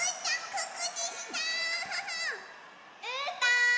・うーたん！